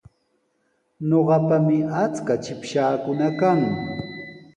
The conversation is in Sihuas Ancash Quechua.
Ñuqapami achka chipshaakuna kan.